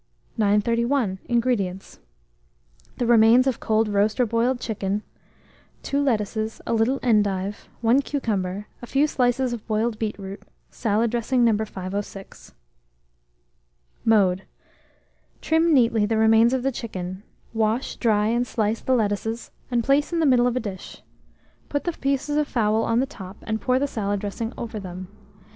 931. INGREDIENTS. The remains of cold roast or boiled chicken, 2 lettuces, a little endive, 1 cucumber, a few slices of boiled beetroot, salad dressing No. 506. Mode. Trim neatly the remains of the chicken; wash, dry, and slice the lettuces, and place in the middle of a dish; put the pieces of fowl on the top, and pour the salad dressing over them.